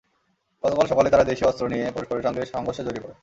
গতকাল সকালে তাঁরা দেশীয় অস্ত্র নিয়ে পরস্পরের সঙ্গে সংঘর্ষে জড়িয়ে পড়ে।